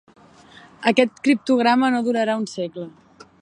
Aquest criptograma no durarà un segle.